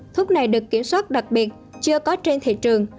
thuốc này được kiểm soát đặc biệt chưa có trên thị trường